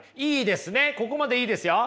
ここまでいいですよ。